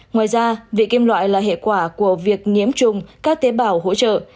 ngoài ra vị kim loại là hệ quả của việc nhiễm trùng các tế bào hỗ trợ